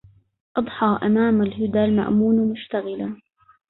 أضحى إمام الهدى المأمون مشتغلا